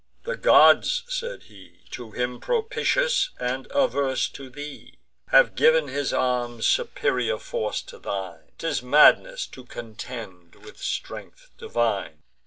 The gods," said he, "To him propitious, and averse to thee, Have giv'n his arm superior force to thine. 'Tis madness to contend with strength divine."